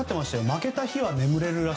負けた日は寝られると。